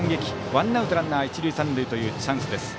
ワンアウトランナー一塁三塁というチャンス。